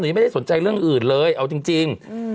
ไม่ได้สนใจเรื่องอื่นเลยเอาจริง